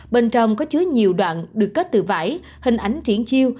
bên trong có chứa nhiều đoạn được kết từ vải hình ảnh triển chiêu